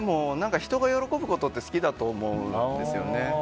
人が喜ぶことって好きだと思うんですよね。